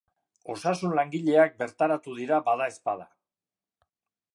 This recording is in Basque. Osasun-langileak bertaratu dira badaezpada.